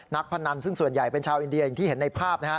พนันซึ่งส่วนใหญ่เป็นชาวอินเดียอย่างที่เห็นในภาพ